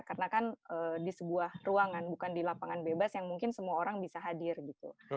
karena kan di sebuah ruangan bukan di lapangan bebas yang mungkin semua orang bisa hadir gitu